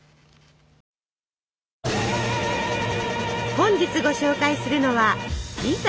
本日ご紹介するのはピザ？